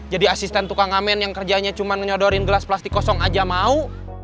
jadi asisten tukang amen yang kerjanya cuma menyodorin gelas plastik kosong aja mau